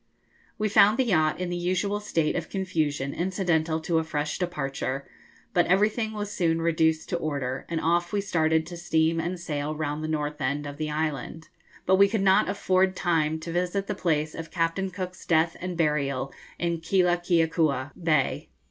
We found the yacht in the usual state of confusion incidental to a fresh departure, but everything was soon reduced to order, and off we started to steam and sail round the north end of the island, but we could not afford time to visit the place of Captain Cook's death and burial in Keelakeakua Bay.